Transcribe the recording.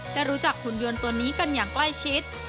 ได้รู้จักหุ่นยนต์ตัวนี้กันอย่างใกล้ชิด